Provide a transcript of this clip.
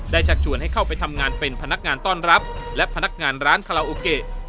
ชักชวนให้เข้าไปทำงานเป็นพนักงานต้อนรับและพนักงานร้านคาราโอเกะ